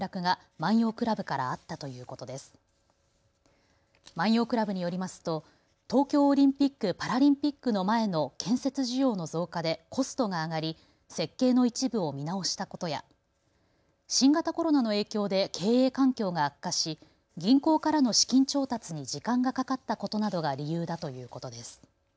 万葉倶楽部によりますと東京オリンピック・パラリンピックの前の建設需要の増加でコストが上がり設計の一部を見直したことや新型コロナの影響で経営環境が悪化し銀行からの資金調達に時間がかかったことなどが理由だということです。